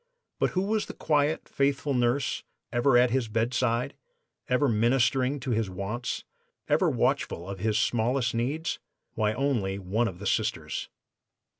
But who was the quiet, faithful nurse, ever at his bedside, ever ministering to his wants, ever watchful of his smallest needs? Why only 'one of the Sisters.